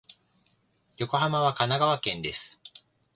横浜は神奈川県です。